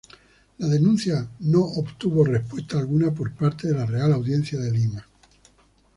La denuncia no obtuvo respuesta alguna por parte de la Real Audiencia de Lima.